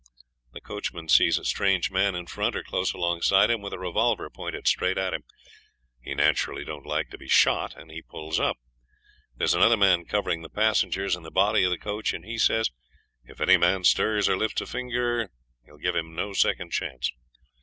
The coachman sees a strange man in front, or close alongside of him, with a revolver pointed straight at him. He naturally don't like to be shot, and he pulls up. There's another man covering the passengers in the body of the coach, and he says if any man stirs or lifts a finger he'll give him no second chance.